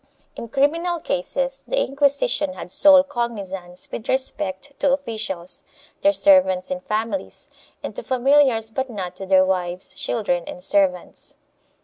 In criminal cases, the Inquisition had sole cognizance with respect to officials, their servants and families and to familiars but not to their wives, children and servants.